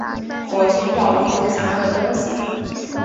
我寻找已久想要的东西